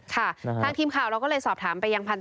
ค่ะทางทีมข่าวเราก็เลยสอบถามไปยังพันธ